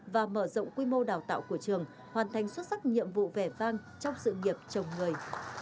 và mở rộng quy mô đào tạo của trường hoàn thành xuất sắc nhiệm vụ vẻ vang trong sự nghiệp chồng người